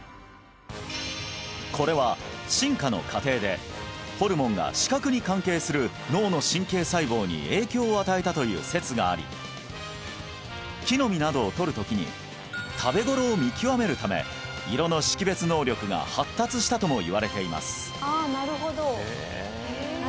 これは進化の過程でホルモンが視覚に関係する脳の神経細胞に影響を与えたという説があり木の実などを採るときに食べ頃を見極めるため色の識別能力が発達したともいわれています